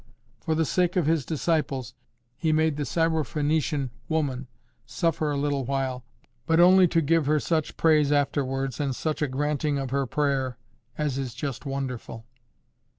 For the sake of His disciples, He made the Syrophenician woman suffer a little while, but only to give her such praise afterwards and such a granting of her prayer as is just wonderful."